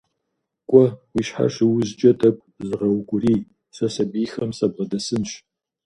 Кӏуэ, уи щхьэр щыузкӏэ тӏэкӏу зыгъэукӏурий, сэ сэбийхэм сабгъэдэсынщ.